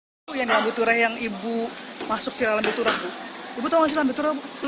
hai yang abu tureh yang ibu masuk viral abu tureh ibu tahu